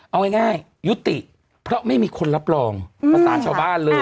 เอาง่ายยุติเพราะไม่มีคนรับรองประสานชาวบ้านเลย